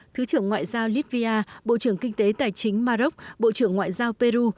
thứ trưởng ngoại giao lithir bộ trưởng kinh tế tài chính maroc bộ trưởng ngoại giao peru